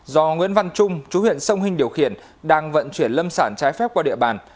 do nguyễn văn trung chú huyện sông hinh điều khiển đang vận chuyển lâm sản trái phép qua địa bàn